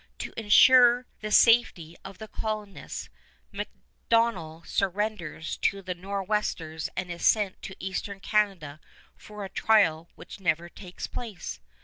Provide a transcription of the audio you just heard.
To insure the safety of his colonists, MacDonell surrenders to the Nor'westers and is sent to Eastern Canada for a trial which never takes place.